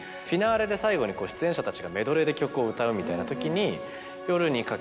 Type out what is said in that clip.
最後に出演者たちがメドレーで曲を歌うみたいな時に。